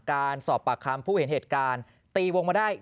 การสอบปากคำผู้เห็นเหตุการณ์ตีวงมาได้